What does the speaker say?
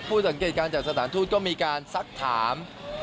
สังเกตการณ์จากสถานทูตก็มีการซักถาม